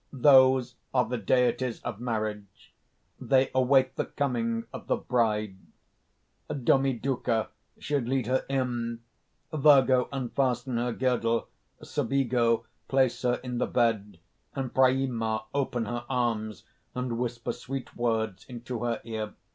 _) "Those are the deities of marriage. They await the coming of the bride. "Domiduca should lead her in, Virgo unfasten her girdle, Subigo place her in the bed, and Præma open her arms, and whisper sweet words into her ear.